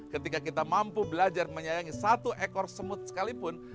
ketika kita mampu belajar menyayangi satu ekor semut sekalipun